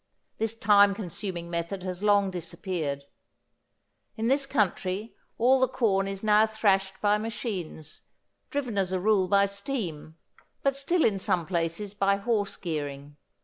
This time consuming method has long disappeared. In this country all the corn is now thrashed by machines, driven as a rule by steam, but still in some places by horse gearing.